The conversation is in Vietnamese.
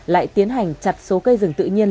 lại tiến hành chặt số cây rừng tự nhiên